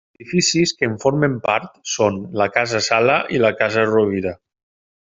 Edificis que en formen part són la Casa Sala i la Casa Rovira.